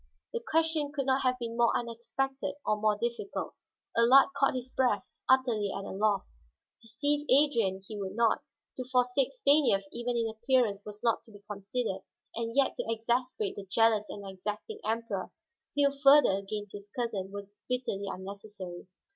The question could not have been more unexpected or more difficult. Allard caught his breath, utterly at a loss. Deceive Adrian he would not. To forsake Stanief even in appearance was not to be considered, and yet to exasperate the jealous and exacting Emperor still further against his cousin was bitterly unnecessary.